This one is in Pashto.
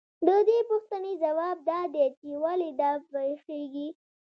د دې پوښتنې ځواب دا دی چې ولې دا پېښېږي